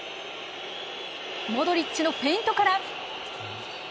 モドリッチのフェイントから。